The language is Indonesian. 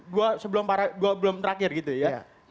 gue sebelum terakhir gitu ya